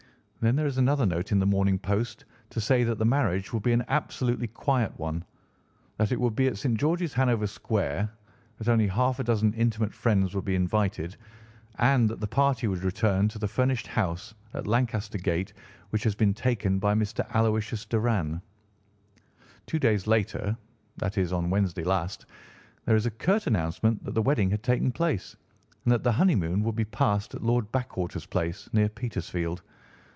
Then there is another note in the Morning Post to say that the marriage would be an absolutely quiet one, that it would be at St. George's, Hanover Square, that only half a dozen intimate friends would be invited, and that the party would return to the furnished house at Lancaster Gate which has been taken by Mr. Aloysius Doran. Two days later—that is, on Wednesday last—there is a curt announcement that the wedding had taken place, and that the honeymoon would be passed at Lord Backwater's place, near Petersfield.